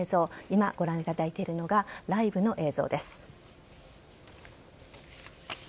今、ご覧いただいているのがライブの映像です。